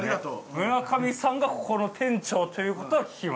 村上さんがここの店長という事は聞きました。